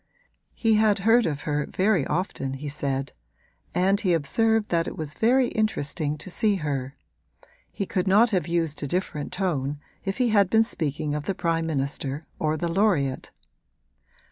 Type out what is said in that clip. He had heard of her very often, he said; and he observed that it was very interesting to see her: he could not have used a different tone if he had been speaking of the prime minister or the laureate.